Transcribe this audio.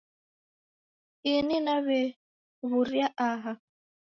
Ini naw'ew'uria aha.